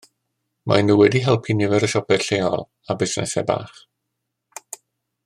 Maen nhw wedi helpu nifer o siopau lleol a busnesau bach